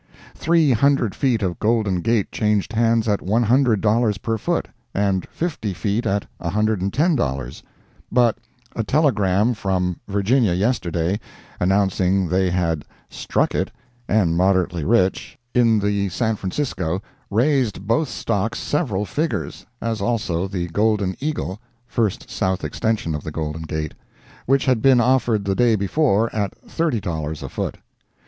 Three hundred feet of Golden Gate changed hands at $100 per foot, and fifty feet at $110; but a telegram from Virginia yesterday, announcing that they had "struck it"—and moderately rich—in the San Francisco, raised both stocks several figures, as also the Golden Eagle (first south extension of the Golden Gate), which had been offered the day before at $30 a foot.